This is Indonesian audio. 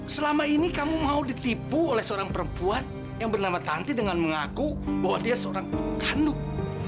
selama ini kamu mau ditipu oleh seorang perempuan yang bernama tanti dengan mengaku bahwa dia seorang kanduk